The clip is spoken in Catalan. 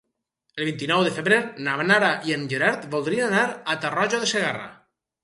El vint-i-nou de febrer na Nara i en Gerard voldrien anar a Tarroja de Segarra.